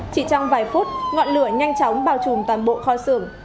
chỉ trong vài phút ngọn lửa nhanh chóng bào trùm toàn bộ kho sưởng